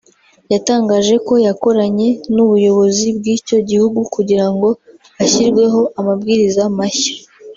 yatangaje ko yakoranye n’ubuyobozi bw’icyo gihugu kugira ngo hashyirweho amabwiriza mashya